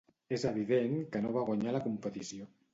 És evident que no va guanyar la competició.